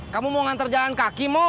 kamu mau nganter jalan kaki mod